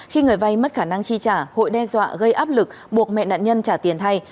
khi người vay mất khả năng chi trả hội đe dọa gây áp lực buộc mẹ nạn nhân trả tiền thay